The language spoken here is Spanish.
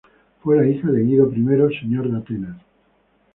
Fue la hija de Guido I, señor de Atenas.